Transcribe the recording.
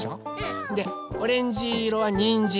でオレンジいろはにんじん。